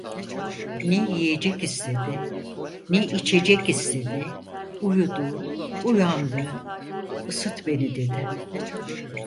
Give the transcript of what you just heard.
Ne yiyecek istedi, ne içecek istedi; uyudu, uyandı, ısıt beni dedi.